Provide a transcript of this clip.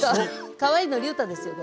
かわいいのりゅうたですよね。